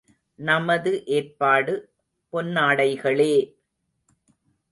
நமது ஏற்பாடு பொன்னாடைகளே!